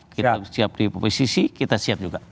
kita siap di posisi kita siap juga